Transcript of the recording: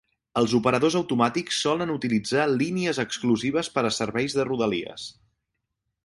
Els operadors autonòmics solen utilitzar línies exclusives per a serveis de rodalies.